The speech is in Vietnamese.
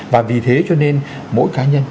và vì thế cho nên mỗi cá nhân